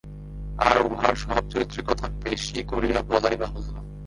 আর, উহার স্বভাবচরিত্রের কথা বেশি করিয়া বলাই বাহুল্য।